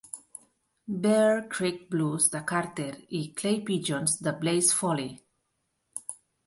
"Bear Creek Blues" de Carter y "Clay Pigeons" de Blaze Foley.